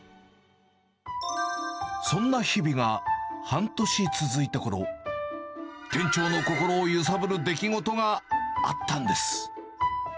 そんな日々が半年続いたころ、店長の心を揺さぶる出来事があったんです。